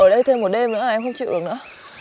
ở đây thêm một đêm nữa là em không chịu được nữa